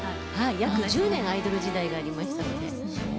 約１０年アイドル時代がありましたので。